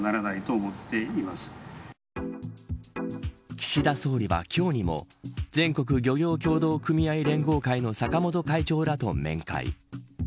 岸田総理は今日にも全国漁業協同組合連合会の坂本会長らと面会。